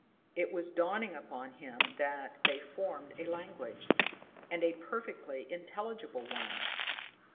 It was dawning upon him that they formed a language and a perfectly intelligible one.